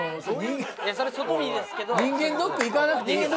人間ドック行かなくていいよ。